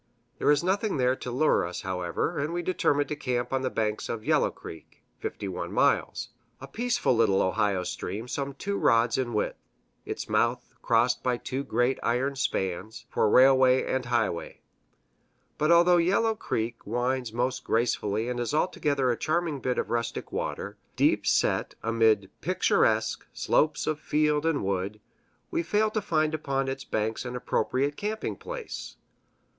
There is nothing there to lure us, however, and we determined to camp on the banks of Yellow Creek (51 miles), a peaceful little Ohio stream some two rods in width, its mouth crossed by two great iron spans, for railway and highway. But although Yellow Creek winds most gracefully and is altogether a charming bit of rustic water, deep set amid picturesque slopes of field and wood, we fail to find upon its banks an appropriate camping place.